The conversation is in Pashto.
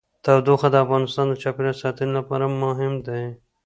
تودوخه د افغانستان د چاپیریال ساتنې لپاره مهم دي.